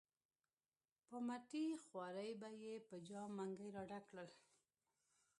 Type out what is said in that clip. په مټې خوارۍ به یې په جام منګي را ډک کړل.